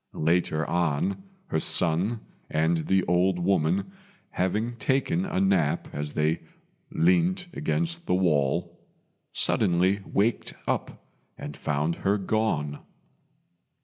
Later on, her son and the old woman having taken a nap as they leant against the wall, suddenly waked up and found her gone.